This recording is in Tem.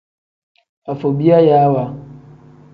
Afobiyayaawa.